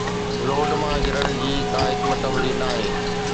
load مان گرڻ جي ڪا حڪمت عملي ناهي